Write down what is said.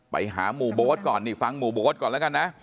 ไปหาหมู่โบ๊ทก่อนนี่ฟังหมู่โบ๊ทก่อนแล้วกันนะ